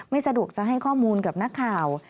ไม่สะดวกจะให้ข้อมูลกับนักข่าว